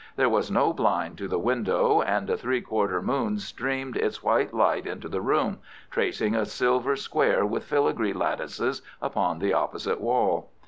There was no blind to the window, and a three quarter moon streamed its white light into the room, tracing a silver square with filigree lattices upon the opposite wall.